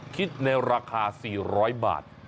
คิดในราคา๔๐๐บาท